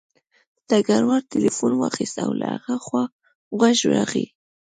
ډګروال تیلیفون واخیست او له هغه خوا غږ راغی